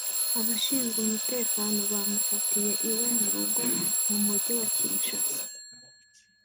Abashinzwe umutekano bamufatiye iwe mu rugo mu Mujyi wa Kinshasa